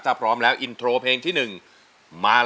ถ้าพร้อมแล้วอินโทรเพลงที่หนึ่งมาเลยครับ